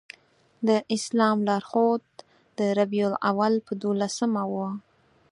د اسلام لار ښود د ربیع الاول په دولسمه و.